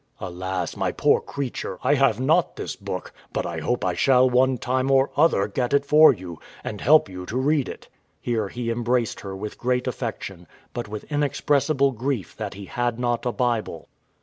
W.A. Alas! my poor creature, I have not this book; but I hope I shall one time or other get it for you, and help you to read it. [Here he embraced her with great affection, but with inexpressible grief that he had not a Bible.